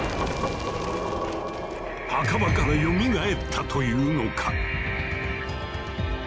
墓場からよみがえったというのか？